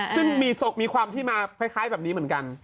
ซึ่งมีศพมีความที่มาคล้ายแบบนี้เหมือนกัน